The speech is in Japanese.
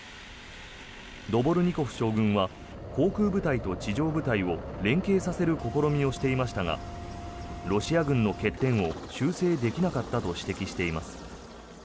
ドボルニコフ将軍は航空部隊と地上部隊を連携させる試みをしていましたがロシア軍の欠点を修正できなかったと指摘しています。